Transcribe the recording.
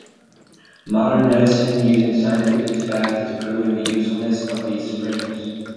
Modern medicine using scientific fact has proven the usefulness of these springs.